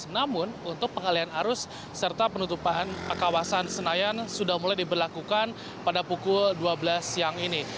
namun untuk pengalian arus serta penutupan kawasan senayan sudah mulai diberlakukan pada pukul dua belas siang ini